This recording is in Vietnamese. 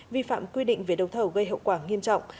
vi phạm quy định về đấu thầu gây hậu quả nghiêm trọng